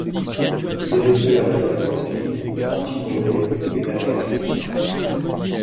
Il est le père d'Astéropie, Antinoé et d'Acaste.